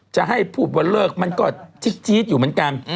จะให้พูดว่าเลิกมันก็จี๊ดอยู่เหมือนกัน